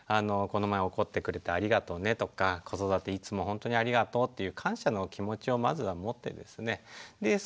「この前怒ってくれてありがとうね」とか「子育ていつも本当にありがとう」っていう感謝の気持ちをまずは持ってですねで